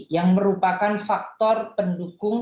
yang merupakan faktor pendukung